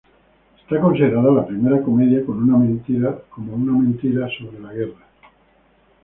Está considerada la primera comedia como una mentira acerca de la guerra.